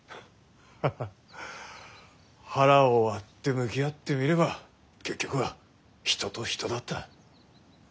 ハハ腹を割って向き合ってみれば結局は人と人だった。